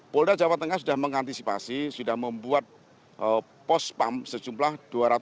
polda jawa tengah sudah mengantisipasi sudah membuat pos pam sejumlah dua ratus tiga puluh